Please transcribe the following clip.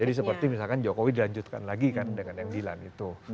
jadi seperti misalkan jokowi dilanjutkan lagi kan dengan yang jilan itu